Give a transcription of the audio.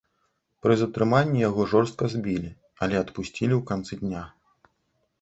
Пры затрыманні яго жорстка збілі, але адпусцілі ў канцы дня.